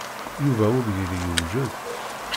Yuba ur yelli yewjed.